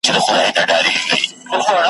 یو څه وخت یې په ځالۍ کي لویومه `